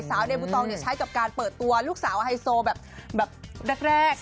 เดบูตองใช้กับการเปิดตัวลูกสาวไฮโซแบบแรก